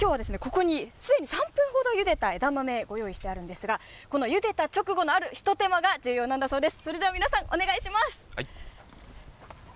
きょうはここについ、３分ほどゆでた枝豆、ご用意してあるんですが、このゆでた直後のあるひと手間が重要なんだそうです。